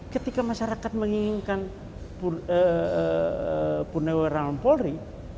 ketika masyarakat menginginkan punewara polri